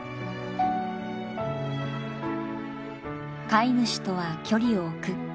飼い主とは距離を置く。